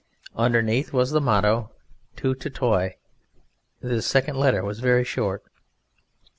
Underneath was the motto, "Tout à Toi." This second letter was very short.